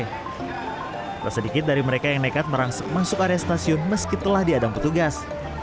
tidak sedikit dari mereka yang nekat masuk area stasiun meski telah diadang petugas